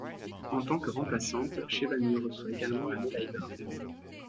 En tant que remplaçante, Chebanu reçoit également la médaille d'or.